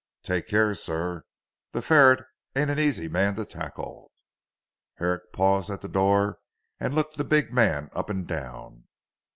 "Take care sir. The ferret ain't an easy man to tackle." Herrick paused at the door and looked the big man up and down.